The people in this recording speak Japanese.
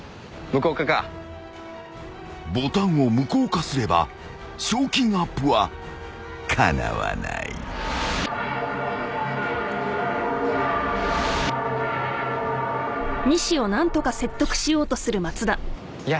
［ボタンを無効化すれば賞金アップはかなわない］いや。